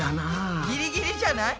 ギリギリじゃない？